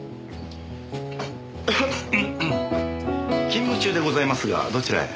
勤務中でございますがどちらへ？